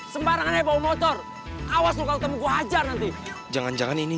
sembarangan heboh motor awas lo kalau temen gua hajar nanti jangan jangan ini